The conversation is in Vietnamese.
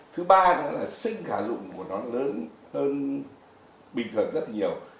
thứ ba nữa là sinh khả dụng của nó lớn hơn bình lực rất nhiều